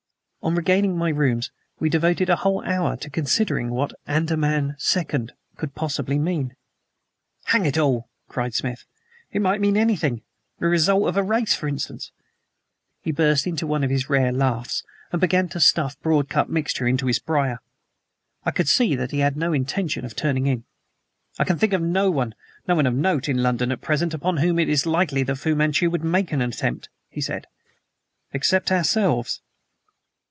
On regaining my rooms, we devoted a whole hour to considering what "ANDAMAN SECOND" could possibly mean. "Hang it all!" cried Smith, "it might mean anything the result of a race, for instance." He burst into one of his rare laughs, and began to stuff broadcut mixture into his briar. I could see that he had no intention of turning in. "I can think of no one no one of note in London at present upon whom it is likely that Fu Manchu would make an attempt," he said, "except ourselves."